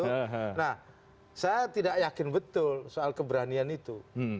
nah saya tidak yakin betul soal keberanian itu